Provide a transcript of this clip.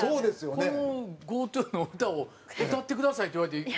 このＧＯ☆ＴＯの歌を歌ってくださいって言われてねえ。